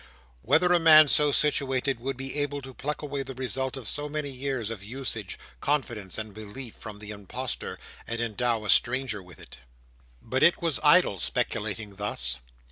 Whether a man so situated would be able to pluck away the result of so many years of usage, confidence, and belief, from the impostor, and endow a stranger with it? But it was idle speculating thus.